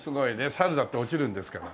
サルだって落ちるんですから。